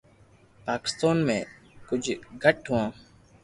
پاڪستان مي ڪجھ گھٽ ھون